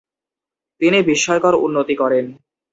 তিনি বিস্ময়কর উন্নতি করেন।